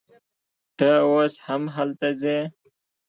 ته اوس هم هلته ځې